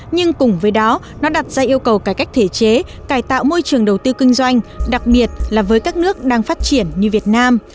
nhưng cùng với đó nó đặt ra yêu cầu cải cách thể chế cải tạo môi trường đầu tư kinh doanh đặc biệt là với các nước đang phát triển như việt nam